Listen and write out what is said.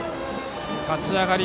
立ち上がり